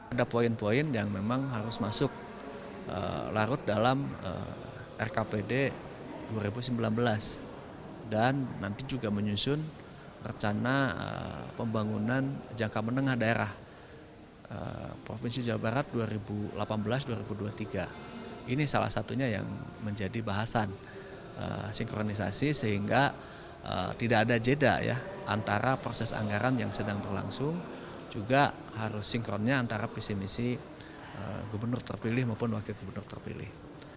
ada poin poin yang memang harus masuk larut dalam rkpd dua ribu sembilan belas dan nanti juga menyusun perencanaan pembangunan jangka menengah daerah